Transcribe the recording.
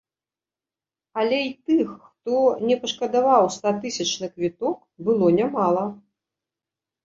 Але і тых, хто не пашкадаваў ста тысяч на квіток, было нямала.